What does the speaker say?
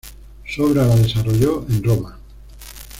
Su obra la desarrolló en Roma.